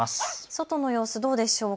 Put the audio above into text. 外の様子どうでしょう。